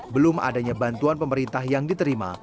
belum adanya bantuan pemerintah yang diterima